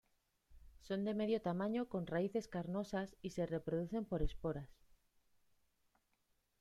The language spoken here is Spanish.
Son de medio tamaño con raíces carnosas y se reproducen por esporas.